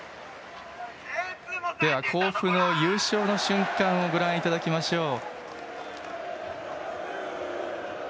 甲府の優勝の瞬間をご覧いただきましょう。